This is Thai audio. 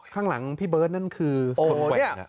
ข้างหลังพี่เบิร์ตนั่นคือชนแกว่ง